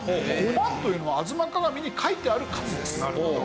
５万というのは『吾妻鏡』に書いてある数です。